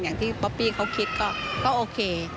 อย่างที่ป๊อปปี้เขาคิดก็โอเค